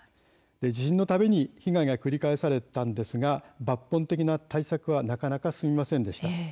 地震のたびに被害が繰り返されましたが抜本的な対策は、なかなか進みませんでした。